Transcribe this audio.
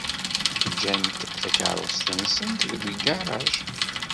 Ǧǧant takeṛṛust-nsent deg ugaṛaj.